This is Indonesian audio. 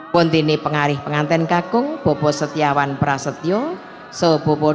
buntini pengarih pengantin kakung bopo setiawan prasetyoso bopo dokter haryimilyantono